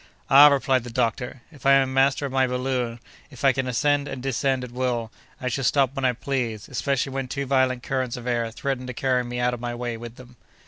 "Ah!" replied the doctor, "if I am master of my balloon—if I can ascend and descend at will, I shall stop when I please, especially when too violent currents of air threaten to carry me out of my way with them."